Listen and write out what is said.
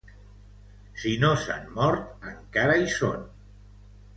Si no s'han mort, encara hi són.